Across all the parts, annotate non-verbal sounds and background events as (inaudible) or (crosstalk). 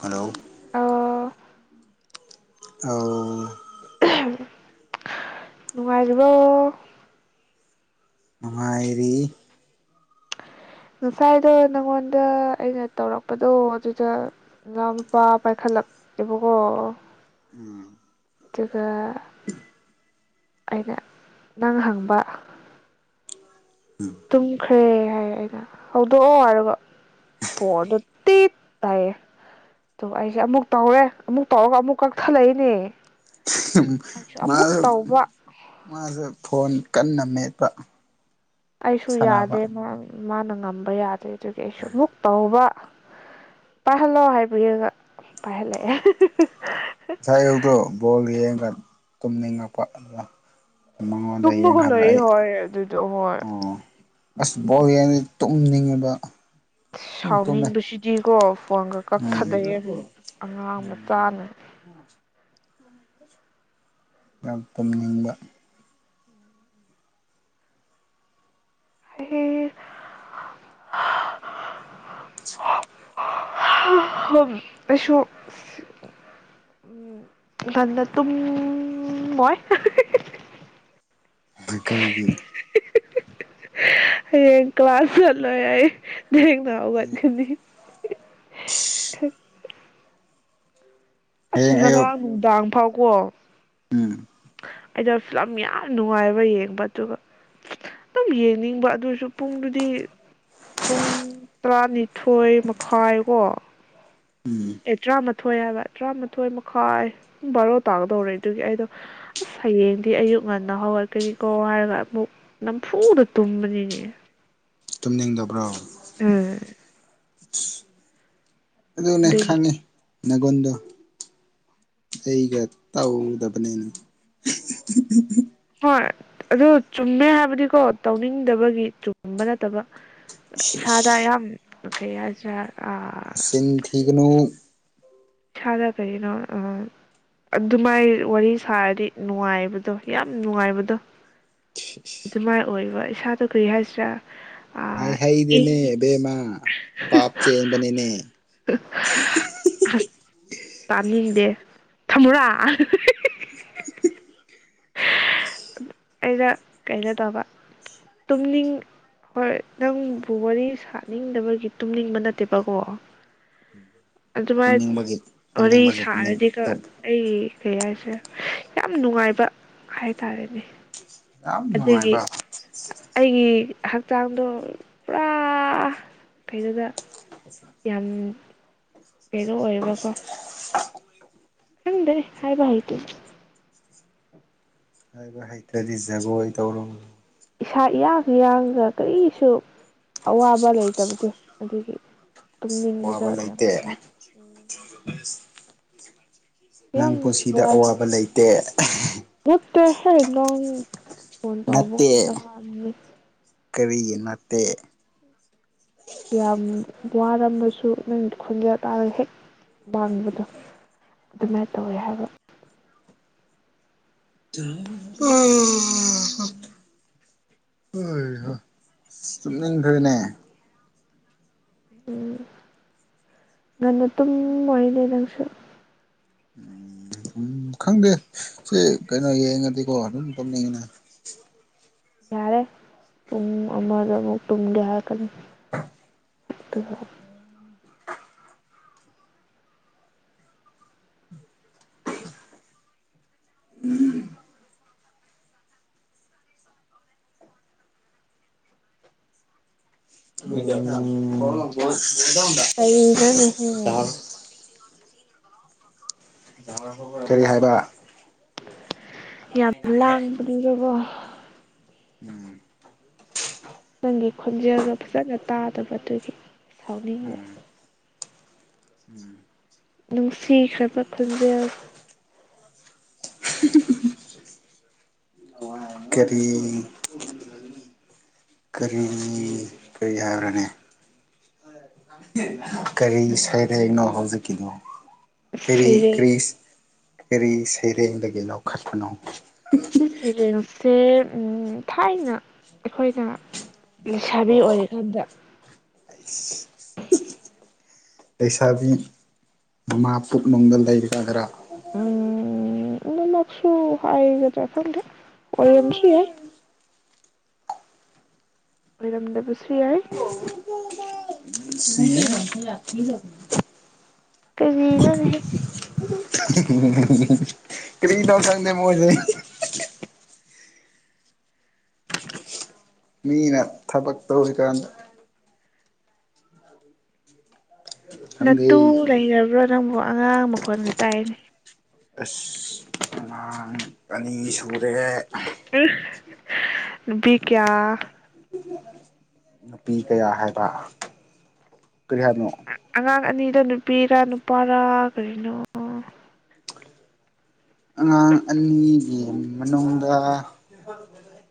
Hello ꯑꯣ ꯑ ꯅꯨꯡꯉꯥꯏꯖꯕ ꯅꯨꯡꯉꯥꯏꯔꯤ ꯉꯁꯥꯏꯗꯣ ꯅꯪꯉꯣꯟꯗ ꯑꯩꯅ ꯇꯧꯔꯛꯄꯗꯣ ꯑꯗꯨꯗ ꯅꯅꯥꯎꯅꯨꯄꯥ ꯄꯥꯏꯈꯠꯂꯛꯑꯦꯕꯀꯣ ꯎꯝ ꯑꯗꯨꯒ ꯑꯩꯅ ꯅꯪ ꯍꯪꯕ ꯇꯨꯝꯈ꯭ꯔꯦ ꯍꯥꯏꯔꯛꯑꯦ ꯑꯩꯅ ꯍꯧꯗꯣꯛꯑꯣ ꯍꯥꯏꯔꯒ ꯐꯣꯟꯗꯣ ꯇꯤꯠ ꯍꯥꯏꯌꯦ ꯑꯗꯨꯒ ꯑꯩꯁꯦ ꯑꯃꯨꯛ ꯇꯧꯔꯦ ꯑꯃꯨꯛ ꯇꯧꯔꯒ ꯑꯃꯨꯛ ꯀꯛꯊꯠꯂꯛꯏꯅꯦ ꯑꯩꯁꯨ ꯑꯃꯨꯛ ꯃꯥꯁꯨ ꯇꯧꯕ ꯃꯥꯁꯦ ꯐꯣꯟ ꯀꯟꯅ ꯃꯦꯠꯄ ꯑꯩꯁꯨ ꯌꯥꯗꯦ ꯁꯥꯟꯅꯕ ꯃꯥ ꯃꯥꯅ ꯉꯝꯕ ꯌꯥꯗꯦ ꯑꯗꯨꯒꯤ ꯑꯩꯁꯨ ꯑꯃꯨꯛ ꯇꯧꯕ ꯄꯥꯏꯍꯜꯂꯑꯣ ꯍꯥꯏꯕꯤꯔꯒ ꯄꯥꯏꯍꯜꯂꯛꯑꯦ ꯉꯁꯥꯏ ꯑꯌꯨꯛꯇꯣ ꯕꯣꯜ ꯌꯦꯡ ꯈꯔ ꯇꯨꯝꯅꯤꯡꯉꯛꯄ ꯑꯗꯨꯅ ꯇꯨꯝꯃꯒ ꯂꯩꯌꯦ ꯍꯥꯏꯌꯦ ꯍꯣꯏ ꯑꯗꯨꯗꯣ ꯍꯣꯏ ꯑꯣ ꯑꯁ ꯕꯣꯜꯌꯦꯡꯉꯗꯤ ꯇꯨꯝꯅꯤꯡꯕ ꯁꯥꯎꯅꯤꯡꯕꯁꯤꯗꯤꯀꯣ ꯐꯣꯟꯒ ꯎꯝ ꯀꯛꯊꯠꯂꯛꯏ ꯑꯉꯥꯡ ꯃꯆꯥꯅ ꯌꯥꯝ ꯇꯨꯝꯅꯤꯡꯕ ꯍꯥ (inaudible) ꯑꯩꯁꯨ ꯉꯟꯅ ꯇꯨꯝꯃꯣꯏ ꯀꯔꯤꯒꯤ ꯍꯌꯦꯡ ꯀ꯭ꯂꯥꯁ ꯆꯠꯂꯣꯏ ꯑꯩ ꯊꯦꯡꯅ ꯍꯧꯒꯠꯀꯅꯤ (inaudible) ꯑꯁ ꯍꯌꯦꯡ ꯑꯌꯨꯛ ꯉꯔꯥꯡ ꯅꯨꯡꯗꯥꯡ ꯐꯥꯎ ꯀꯣ ꯎꯝ ꯑꯩꯗꯣ ꯐꯤꯂꯝ ꯌꯥꯝ ꯅꯨꯡꯉꯥꯏꯕ ꯌꯦꯡꯕ ꯑꯗꯨꯒ ꯑꯗꯨꯝ ꯌꯦꯡꯅꯤꯡꯕ ꯑꯗꯨꯁꯨ ꯄꯨꯡꯗꯨꯗꯤ ꯄꯨꯡ ꯇꯔꯥꯅꯤꯊꯣꯏ ꯃꯈꯥꯏꯀꯣ ꯎꯝ ꯑꯦ ꯇꯔꯥꯃꯊꯣꯏ ꯊꯣꯏ ꯍꯥꯏꯕ ꯇꯔꯥꯃꯥꯊꯣꯏ ꯃꯈꯥꯏ ꯄꯨꯡ ꯕꯥꯔꯣ ꯇꯥꯒꯗꯧꯔꯦ ꯑꯗꯨꯒꯤ ꯑꯩꯗꯣ ꯑꯁ ꯍꯌꯦꯡꯗꯤ ꯑꯌꯨꯛ ꯉꯟꯅ ꯍꯧꯒꯠꯀꯅꯤꯀꯣ ꯍꯥꯏꯔꯒ ꯑꯃꯨꯛ ꯅꯝꯐꯨꯗ ꯇꯨꯝꯕꯅꯤꯅꯦ ꯇꯨꯝꯅꯤꯡꯗꯕ꯭ꯔꯣ ꯎꯝ (inaudible) ꯑꯗꯨꯅꯦ ꯑꯗꯨꯒꯤ ꯈꯪꯉꯦ ꯅꯅꯥꯒꯣꯟꯗꯣ ꯑꯩꯒ ꯇꯧꯗꯕꯅꯤꯅ ꯑꯗꯨ ꯆꯨꯝꯃꯦ ꯍꯥꯏꯕꯗꯤꯀꯣ ꯇꯧꯅꯤꯡꯗꯕꯒꯤ ꯆꯨꯝꯕ ꯅꯠꯇꯕ ꯏꯁꯥꯗꯥ ꯌꯥꯝꯝ ꯀꯩꯌꯥꯖꯠ ꯁꯤꯟ ꯊꯤꯒꯅ ꯏꯁꯥꯗ ꯀꯔꯤꯅꯣ ꯑ ꯑꯗꯨꯃꯥꯏ ꯋꯥꯔꯤ ꯁꯥꯔꯗꯤ ꯅꯨꯡꯉꯥꯏꯕꯗꯣ ꯌꯥꯝ ꯅꯨꯡꯉꯥꯏꯕꯗꯣ ꯑꯗꯨꯃꯥꯏ ꯑꯣꯏꯕ ꯏꯁꯥꯗ ꯀꯔꯤ ꯍꯥꯏꯁꯤꯔꯥ ꯍꯥꯏꯩ ꯏꯪ ꯍꯩꯗꯤꯅꯦ ꯕꯦꯝꯃ ꯄꯥꯞ ꯆꯦꯟꯕꯅꯤꯅꯦ ꯇꯥꯅꯤꯡꯗꯦ ꯊꯝꯃꯨꯔꯥ ꯍꯤꯍꯤꯍꯤ (unintelligible) ꯑ ꯑꯩꯅ ꯀꯩꯅꯣ ꯇꯕ ꯇꯨꯝꯅꯤꯡ ꯍꯣꯏ ꯅꯪꯕꯨ ꯋꯥꯔꯤ ꯁꯥꯅꯤꯡꯗꯕꯒꯤ ꯇꯨꯝꯅꯤꯡꯕ ꯅꯠꯇꯦꯕꯀꯣ ꯑꯗꯨꯃꯥꯏ ꯇꯨꯝꯅꯤꯡꯕꯒꯤ ꯋꯥꯔꯤ ꯇꯨꯝꯅꯤꯡꯕꯒꯤ ꯇꯨꯝꯅꯤꯡ ꯁꯥꯔꯗꯤ ꯈꯔ ꯇꯨꯝ ꯑꯩ ꯀꯩ ꯍꯥꯏꯁꯦ ꯌꯥꯝ ꯅꯨꯡꯉꯥꯏꯕ ꯍꯥꯏ ꯇꯔꯦꯅꯦ ꯌꯥꯝ ꯑꯗꯨꯒꯤ ꯅꯨꯡꯉꯥꯏꯕ ꯑꯩꯒꯤ ꯍꯛꯆꯥꯡꯗꯣ ꯄꯨꯔꯥ ꯀꯩꯗꯨꯗ ꯌꯥꯝ ꯄꯦꯅꯣ ꯑꯣꯏꯌꯕꯀꯣ (unintelligible) ꯍꯪꯗꯦ ꯍꯥꯏꯕ ꯍꯥꯏꯇ ꯍꯥꯏꯕ ꯍꯩꯇ꯭ꯔꯗꯤ ꯖꯒꯣꯏ ꯇꯧꯔꯣ ꯏꯁꯥ ꯏꯌꯥꯡ ꯌꯥꯡꯒ ꯀꯔꯤꯁꯨ ꯑꯋꯥꯕ ꯂꯩꯇꯕꯗꯤ ꯑꯗꯨꯒꯤ ꯇꯨꯝꯅꯤꯡꯕꯗ ꯋꯥꯕ ꯌꯥꯝ ꯂꯩꯇꯦ ꯅꯨꯡꯉꯥꯏ ꯅꯪ ꯌꯥꯝ ꯄꯨꯟꯁꯤꯗ ꯋꯥꯔꯦ ꯑꯋꯥꯕ ꯂꯩꯇꯦ ꯇ ꯍꯅꯣꯡ ꯐꯣꯟ ꯇꯥꯎꯕ ꯀꯗ ꯍꯃꯅꯤ ꯀꯔꯤ ꯅꯠꯇꯦ ꯌꯥꯝ ꯋꯥꯔꯝꯃꯁꯨ ꯅꯪ ꯈꯣꯟꯖꯦꯜ ꯇꯥꯔꯒ ꯍꯦꯛ ꯃꯡꯕꯗꯣ ꯑꯗꯨꯃꯥꯏꯅ ꯇꯧꯋꯦ ꯍꯥꯏꯕ ꯍꯣꯏ ꯆꯨꯞꯅꯤꯡꯈ꯭ꯔꯦꯅꯦ ꯎꯝ ꯉꯟꯅ ꯇꯨꯝ ꯃꯣꯏꯅꯦ ꯅꯪꯁꯨ ꯎꯝ ꯈꯪꯗꯦ ꯁꯤ ꯀꯩꯅꯣ ꯌꯦꯡꯉꯗꯤꯀꯣ ꯑꯗꯨꯝ ꯇꯝꯅꯤꯡꯉꯤꯅ ꯌꯥꯔꯦ ꯄꯨꯡ ꯑꯃꯗ ꯑꯃꯨꯛ ꯇꯨꯡꯒꯦ ꯍꯥꯏꯔꯛꯀꯅꯤ ꯑꯣ ꯁ (unintelligible) ꯀꯩ ꯅꯅꯦ ꯍ ꯀꯔꯤ ꯍꯥꯏꯕ ꯌꯥꯝ ꯂꯥꯡꯕꯅꯤꯔꯕꯣ ꯎꯝ ꯅꯪꯒꯤ ꯈꯣꯟꯖꯦꯜꯗꯣ ꯐꯖꯅ ꯇꯥꯗꯕ ꯑꯗꯨꯒꯤ ꯁꯥꯎꯅꯤꯡꯕ ꯎꯝ ꯅꯨꯡꯁꯤꯈ꯭ꯔꯕ ꯈꯣꯟꯖꯦꯜ ꯀꯔꯤ ꯀꯔꯤ ꯀꯔꯤ ꯍꯥꯏꯕ꯭ꯔꯅꯦ ꯀꯔꯤ ꯁꯩꯔꯦꯡꯅꯣ ꯍꯧꯖꯤꯛꯀꯤꯗꯣ ꯀꯔꯤ ꯁꯩꯔꯦꯡ ꯀꯔꯤꯔꯤꯁ ꯀꯔꯤ ꯁꯩꯔꯦꯡꯗꯒꯤ ꯂꯧꯈꯠꯄꯅꯣ ꯑꯁꯦꯅ (unintelligible) ꯁꯦ ꯑꯝ ꯊꯥꯏꯅ ꯑꯩꯈꯣꯏꯅ ꯂꯩꯁꯥꯕꯤ ꯑꯣꯏꯔꯤꯀꯥꯟꯗ ꯂꯩꯁꯥꯕꯤ ꯃꯃꯥ ꯄꯨꯛꯅꯨꯡ ꯂꯩꯒꯒ꯭ꯔꯥ ꯎꯝ ꯑꯗꯨ ꯃꯛꯁꯨ ꯑꯥꯏꯒꯗꯈꯪꯗꯦ ꯑꯣꯏꯔꯝꯁꯨ ꯌꯥꯏ ꯑꯣꯏꯔꯝꯗꯕꯁꯨ ꯌꯥꯏ ꯈꯤ ꯂꯅꯤ (unintelligible) ꯀꯔꯤꯅꯣꯅꯦꯍ ꯀꯔꯤ ꯅꯣ ꯈꯪꯗꯦ ꯃꯣꯏ ꯂꯣꯏ ꯃꯤꯅ ꯊꯕꯛ ꯇꯧꯔꯤꯀꯥꯟꯗ ꯅꯠꯇꯨ ꯈꯪꯗꯦ ꯂꯩꯔꯕ꯭ꯔꯣ ꯅꯪꯕꯣ ꯑꯉꯥꯡ ꯃꯈꯣꯟꯒ ꯇꯥꯏꯌꯦꯅꯦ ꯑꯁ ꯑꯉꯥꯡ ꯑꯅꯤ ꯁꯨꯔꯦ ꯎꯝ ꯅꯨꯕꯤ ꯀꯌꯥ ꯅꯨꯄꯤ ꯀꯌꯥ ꯍꯥꯏꯕ ꯀꯔꯤ ꯎꯝ ꯍꯥꯏꯕꯅꯣ ꯑꯉꯥꯡ ꯑꯅꯤꯗ ꯅꯨ ꯄꯤꯔ ꯅꯨꯄꯥꯔꯥ ꯑꯉꯥꯡ ꯑꯅꯤꯒꯤ ꯃꯅꯨꯡꯗ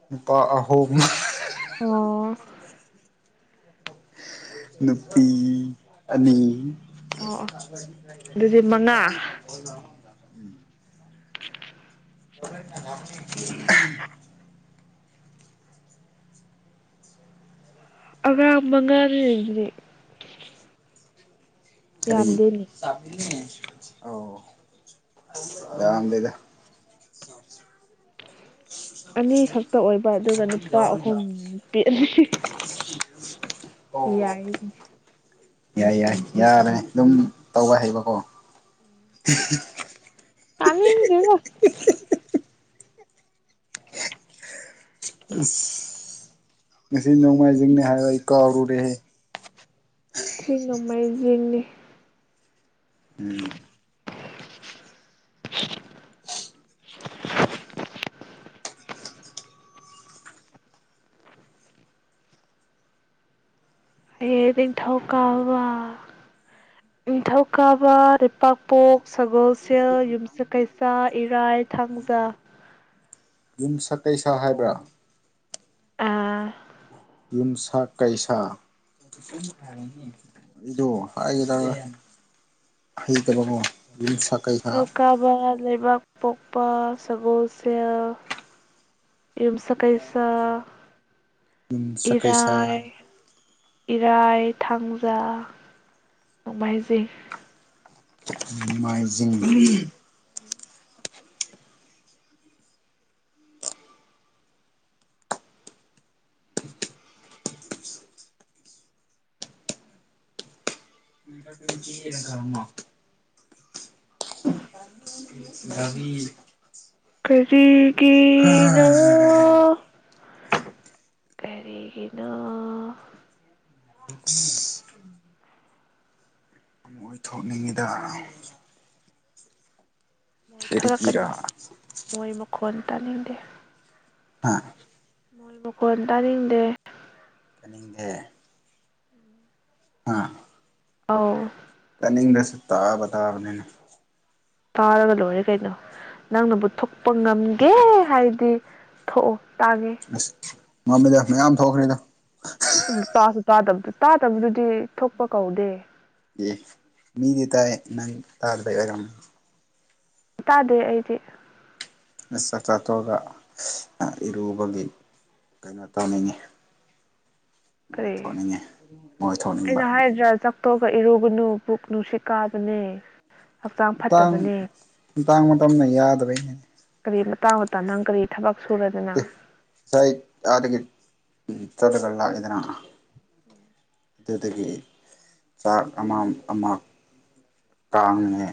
ꯅꯨꯄꯥ ꯑꯍꯨꯝ ꯑꯣ ꯅꯨꯄꯤ ꯑꯅꯤ ꯑꯣ ꯑꯣ ꯑꯗꯨꯗꯤ ꯃꯉꯥ (unintelligible) (unintelligible) ꯑꯉꯥꯡ ꯃꯉꯥ ꯈꯔꯤ ꯑꯣ ꯌꯥꯝ ꯗꯦꯗ ꯑꯅꯤ ꯈꯛꯇ ꯑꯣꯏꯕ ꯑꯗꯨꯒ ꯅꯨꯄꯥ ꯑꯍꯨꯝ ꯅꯨꯄꯤ ꯑꯅꯤ ꯌꯥꯏ ꯌꯥꯏ ꯌꯥꯏ ꯌꯥꯔꯦ ꯑꯗꯨꯝ ꯇꯧꯋ ꯍꯩꯕꯀꯣ ꯇꯥꯅꯤꯡꯗꯅ ꯑꯁ ꯉꯁꯤ ꯅꯣꯡꯃꯥꯏꯖꯤꯡꯅꯤ ꯍꯥꯏꯕ ꯑꯩ ꯀꯥꯎꯔꯨꯔꯦꯍꯦ ꯊꯔꯤ ꯅꯣꯡꯃꯥꯏꯖꯤꯡꯅꯤ ꯎꯝ (unintelligible) ꯍꯌꯦ ꯅꯤꯡꯊꯧ ꯀꯥꯕ ꯅꯤꯡꯊꯧ ꯀꯥꯕ ꯂꯩꯄꯥꯛꯄꯣꯛ ꯁꯒꯣꯜ ꯁꯦꯜ ꯌꯨꯝꯁꯀꯩꯆꯥꯥ ꯏꯔꯥꯏ ꯊꯥꯡꯖꯥ ꯌꯨꯝꯁ ꯀꯩꯁ ꯍꯥꯏꯕ꯭ꯔꯥ ꯑꯥ ꯌꯨꯝꯁꯥ ꯀꯩꯁꯥꯥ ꯑꯩꯗꯣ ꯍꯥꯏꯕ ꯍꯩꯇꯕꯣ ꯌꯨꯝꯁꯥ ꯅꯤꯡꯊꯧꯀꯥꯕ ꯂꯩꯕꯥꯛꯄꯣꯛ ꯄꯥ ꯁꯒꯣꯜꯁꯦꯜ ꯌꯨꯝꯁꯥꯀꯩꯁꯥ ꯌꯨꯝꯁ ꯀꯩꯁꯥ ꯏꯔꯥꯏ ꯏꯔꯥꯏ ꯊꯥꯡꯖꯥ ꯅꯣꯡꯃꯥꯏꯖꯤꯡ ꯅꯣꯡꯃꯥꯏꯖꯤꯡ (unintelligible) ꯕꯥꯕꯤ ꯀꯔꯤꯒꯤꯅꯣ ꯀꯔꯤꯒꯤꯅꯣ (inaudible) ꯃꯣꯏꯊꯣꯛꯅꯤꯡꯉꯤꯗ ꯃꯣꯏꯊꯣꯔꯛꯀꯅꯨ ꯃꯣꯏ ꯃꯈꯣꯟ ꯇꯅꯤꯡꯗꯦ ꯍꯥ ꯃꯣꯏ ꯃꯈꯣꯟ ꯇꯥꯅꯤꯡꯗꯦ ꯇꯅꯤꯡꯗꯦ ꯍꯥ ꯑꯧ ꯇꯅꯤꯡꯗ꯭ꯔꯁꯨ ꯇꯥꯕ ꯇꯥꯕꯅꯤꯅ ꯇꯥꯔꯒ ꯂꯣꯏꯔꯦ ꯀꯩꯅꯣ ꯅꯪꯅꯕꯨ ꯊꯣꯛꯄ ꯉꯝꯒꯦ ꯍꯥꯏꯔꯗꯤ ꯊꯣꯛꯑꯣ ꯇꯥꯒꯦ ꯑꯁ ꯃꯃꯦꯗ ꯃꯌꯥꯝ ꯊꯣꯛꯈ꯭ꯔꯦꯗ ꯇꯥꯁꯨ ꯇꯥꯗꯕ ꯇꯥꯗꯕꯗꯨꯗꯤ ꯊꯣꯛꯄ ꯀꯧꯗꯦ ꯃꯤꯗꯤ ꯇꯥꯏꯌꯦ ꯅꯪ ꯇꯥꯗꯔꯒ ꯂꯔꯝꯅꯤ ꯇꯥꯗꯦ ꯑꯩꯗꯤ ꯆꯥꯛ ꯆꯥꯊꯣꯛꯑꯒ ꯏꯔꯨꯕꯒꯤ ꯀꯩꯅꯣ ꯇꯧꯅꯤꯡꯉꯤ ꯃꯣꯏ ꯀꯔꯤ ꯊꯣꯛꯅꯤꯡꯉꯤ ꯃꯣꯏ ꯊꯣꯛꯅꯤꯡꯕ ꯇꯣꯛꯑꯒ ꯏꯔꯨꯕꯡꯒꯅꯨ ꯄꯨꯛ ꯅꯨꯡꯁꯤꯠ ꯀꯥꯕꯅꯦ ꯍꯛꯆꯥꯡ ꯃꯇꯥꯡ ꯐꯠꯇꯕꯅꯦ ꯃꯇꯥꯡ ꯃꯇꯝꯅ ꯌꯥꯗꯕꯩꯅꯤꯅꯦ ꯀꯔꯤ ꯃꯇꯥꯡ ꯃꯇꯝ ꯅꯪ ꯀꯔꯤ ꯊꯕꯛ ꯁꯨꯔꯗꯅ ꯑꯩꯥ ꯑꯗꯗꯒꯤ ꯆꯠꯂꯒ ꯂꯥꯛꯏꯗꯅ ꯑꯗꯨꯗꯒꯤ ꯆꯥꯛ ꯑꯃ ꯑꯃ ꯇꯥꯡꯉꯦ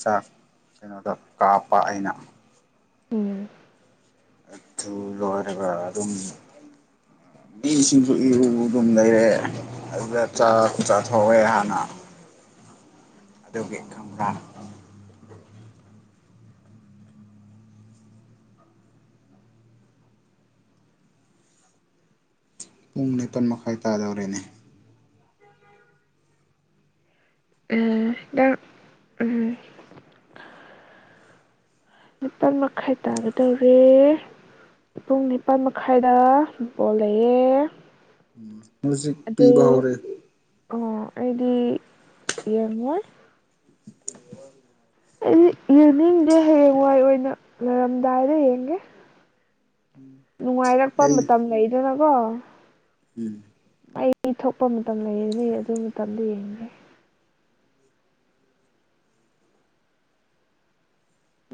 ꯆꯥꯛ ꯀꯩꯅꯣꯗ ꯀꯥꯞꯄ ꯑꯩꯅ ꯎꯝ ꯑꯗꯨ ꯂꯣꯏꯔꯒ ꯑꯗꯨꯝ ꯏꯁꯤꯡꯁꯨ ꯏꯔꯨꯕ ꯑꯗꯨꯝ ꯂꯩꯔꯦ ꯑꯗꯨꯒ ꯎꯝ ꯆꯥꯛ ꯆꯊꯣꯛꯑꯦ ꯍꯥꯟꯅ ꯑꯗꯨꯒꯤ ꯈꯪꯕ꯭ꯔꯥ ꯄꯨꯡ ꯅꯤꯄꯜ ꯃꯈꯥꯏ ꯇꯥꯗꯧꯔꯦꯅꯦ ꯑꯝ ꯏ ꯎꯝ ꯅꯤꯄꯥꯜ ꯃꯈꯥꯏ ꯇꯥꯒꯗꯧꯔꯦ ꯄꯨꯡ ꯅꯤꯄꯥꯜ ꯃꯈꯥꯏꯗꯕꯣꯜ ꯂꯩꯌꯦꯦ ꯃ꯭ꯌꯨꯖꯤꯛ ꯄꯤꯕ ꯍꯧꯔꯦ ꯍꯥꯏꯗꯤ ꯌꯦꯡꯉꯣꯏ ꯑꯩ ꯌꯦꯡꯅꯤꯡꯗꯦ ꯍꯌꯦꯡꯋꯥꯏ ꯑꯣꯏꯅ ꯉꯔꯝꯗꯥꯏꯗ ꯌꯦꯡꯒꯦ ꯅꯨꯡꯉꯥꯏꯔꯛꯄ ꯑꯩ ꯃꯇꯝ ꯂꯩ ꯁꯤ ꯂꯕꯣ ꯎꯝ ꯃꯩ ꯊꯣꯛꯄ ꯃꯇꯝ ꯂꯩꯔꯅꯦ ꯑꯗꯨ ꯃꯇꯝꯗꯣ ꯌꯦꯡꯒꯦ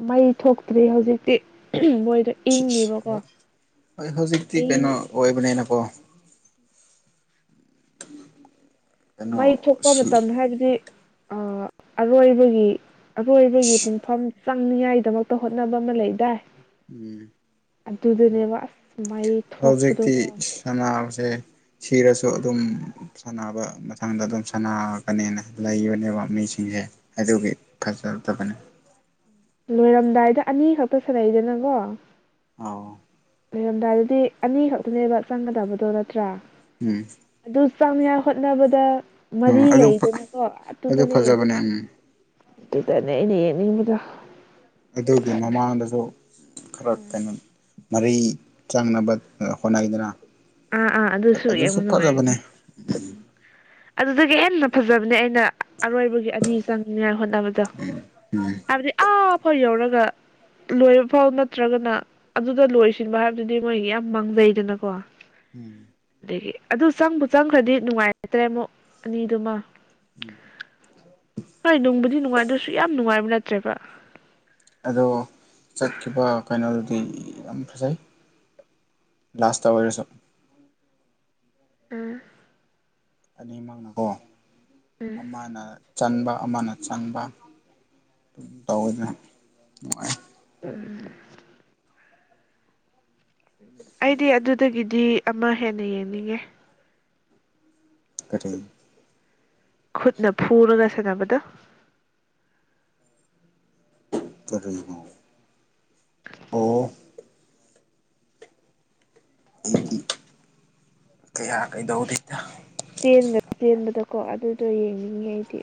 ꯃꯩ ꯊꯣꯛꯇ꯭ꯔꯤ ꯍꯧꯖꯤꯛꯇꯤ ꯃꯣꯏꯗꯣ ꯏꯪꯉꯤꯕꯀꯣ ꯍꯣꯏ ꯍꯧꯖꯤꯛꯇꯤ ꯀꯩꯅꯣ ꯃꯩ ꯑꯣꯏꯕꯅꯦꯅꯀꯣ ꯎꯝ ꯀꯩꯅꯣ ꯃꯩ ꯊꯣꯛꯄ ꯁꯤ ꯃꯇꯝꯗ ꯍꯥꯏꯕꯗꯤ ꯑꯔꯣꯏꯕꯒꯤ ꯑꯔꯣꯏꯕꯒꯤ ꯄꯨꯡꯐꯝ ꯆꯪꯅꯤꯉꯥꯏꯗꯃꯛꯇ ꯍꯣꯠꯅꯕ ꯑꯃ ꯂꯩꯗꯥꯏ ꯎꯝ ꯑꯗꯨꯗꯅꯦꯕ ꯑꯁ ꯃꯩ ꯍꯧꯖꯤꯛꯇꯤ ꯊꯣꯛꯄꯗꯨꯀꯣ ꯁꯅꯥꯔꯁꯦ ꯁꯤꯔꯁꯨ ꯑꯗꯨꯝ ꯁꯥꯟꯅꯕ ꯃꯊꯪꯗ ꯑꯗꯨꯝ ꯁꯥꯟꯅꯒꯅꯦꯅ ꯂꯩꯕꯅꯦꯕ ꯃꯤꯁꯤꯡꯁꯦ ꯑꯗꯨꯒꯤ ꯐꯖꯗꯕꯅꯤ ꯂꯣꯏꯔꯝꯗꯥꯏꯗ ꯑꯅꯤ ꯈꯛꯇ ꯁꯥꯟꯅꯩꯗꯅꯀꯣ ꯑꯥꯎ ꯂꯩꯔꯝꯗꯥꯏꯗꯗꯤ ꯑꯅꯤ ꯈꯛꯇꯅꯦꯕ ꯆꯪꯒꯗꯕꯗꯣ ꯅꯠꯇ꯭ꯔꯥ ꯎꯝ ꯑꯗꯨ ꯆꯪꯅꯤꯉꯥꯏ ꯍꯣꯠꯅꯕꯗ ꯎꯝ ꯃꯔꯤ ꯑꯗꯨ ꯂꯩꯗꯅꯀꯣ ꯑꯗꯨꯗ ꯑꯗꯨ ꯐꯖꯕꯅꯦ ꯂꯩꯔꯅꯤ ꯎꯝ ꯑꯗꯨꯗꯅꯦ ꯑꯩꯅ ꯌꯦꯡꯅꯤꯡ ꯏ ꯗꯣ ꯈꯔꯞ ꯇꯅ ꯃꯔꯤ ꯆꯪꯅꯕ ꯍꯣꯠꯅꯩꯗꯅ ꯑꯥ ꯑꯥ ꯑꯗꯨꯗꯁꯨ ꯑꯗꯨꯁꯨ ꯌꯦꯡꯕ ꯐꯖꯕꯅꯦ ꯅꯨꯡꯉꯥꯏꯕꯅꯦ ꯎꯝ ꯑꯗꯨꯗꯒꯤ ꯍꯦꯟꯅ ꯐꯖꯕꯅꯦ ꯑꯩꯅ ꯑꯔꯣꯏꯕꯒꯤ ꯑꯅꯤ ꯆꯪꯅꯤꯡꯉꯥꯏ ꯍꯣꯠꯅꯕꯗꯣ ꯎꯝ ꯍꯥꯏꯕꯗꯤ ꯑ ꯍꯣꯏ ꯌꯧꯔꯒ ꯂꯣꯏꯕ ꯐꯥꯎ ꯅꯠꯇ꯭ꯔꯒꯅ ꯑꯗꯨꯗ ꯂꯣꯏꯁꯤꯟꯕ ꯍꯥꯏꯕꯗꯨꯗꯤ ꯃꯣꯏ ꯌꯥꯝ ꯃꯥꯡꯖꯩꯗꯅꯀꯣ ꯎꯝ ꯑꯗꯒꯤ ꯑꯗꯨ ꯆꯪꯕ ꯆꯪꯈ꯭ꯔꯗꯤ ꯅꯨꯡꯉꯥꯏꯔꯗ꯭ꯔꯦ ꯑꯃꯨꯛ ꯑꯅꯤꯗꯨꯃ ꯍꯣꯏ ꯅꯨꯡꯕꯨꯗꯤ ꯅꯨꯡꯉꯥꯏꯗꯁꯨ ꯌꯥꯝ ꯅꯨꯡꯉꯥꯏꯕ ꯅꯠꯇ꯭ꯔꯦꯕ ꯁꯤ ꯌꯥꯝ ꯐꯖꯩ ꯂꯥꯁꯇ ꯑꯣꯏꯔꯁꯨ ꯑꯥ ꯑꯅꯤꯃꯛꯅꯀꯣ ꯎꯝ ꯑꯃꯅ ꯆꯟꯕ ꯑꯃꯅ ꯆꯪꯕ ꯑꯗꯨꯝ ꯇꯧꯋꯗꯅ ꯅꯨꯡꯉꯥꯏ ꯑꯩꯗꯤ ꯑꯗꯨꯗꯒꯤꯗꯤ ꯑꯃ ꯍꯦꯟꯅ ꯌꯦꯡꯅꯤꯡꯉꯦ ꯀꯊꯤꯟ꯫꯫ ꯈꯨꯠꯅ ꯐꯨꯔꯒ ꯁꯥꯟꯅꯕꯗ꯫ ꯑꯨ ꯀꯔꯑꯣ ꯑꯣ ꯑꯩꯗꯤ ꯀꯌꯥ ꯀꯩꯗꯧꯗꯤꯗ ꯆꯦꯟꯕꯗꯀꯣ ꯑꯗꯨꯗꯣ ꯌꯦꯡꯅꯤꯡꯉꯤ ꯑꯩꯗꯤ꯫